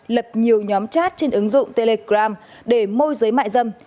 lập nhiều nhóm chat trên ứng dụng telegram để môi giới mại dâm